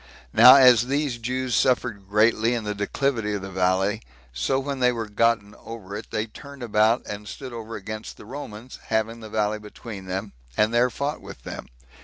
Now as these Jews suffered greatly in the declivity of the valley, so when they were gotten over it, they turned about, and stood over against the Romans, having the valley between them, and there fought with them.